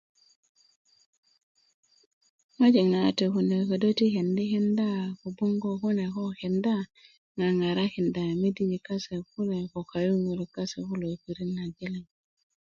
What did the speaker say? ŋojik nawate kune ködö ti kendi' kenda kogboŋ ko kenda koko ŋaŋarakinda midijin kase kune ko kayuŋök kase kulo liŋ